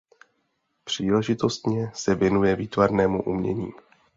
Příležitostně se věnuje výtvarnému umění.